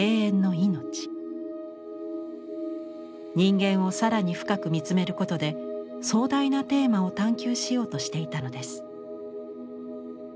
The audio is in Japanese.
人間を更に深く見つめることで壮大なテーマを探求しようとしていたのです。